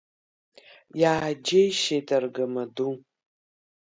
Иааџьеишьеит аргамаду.